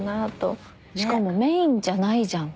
しかもメインじゃないじゃん。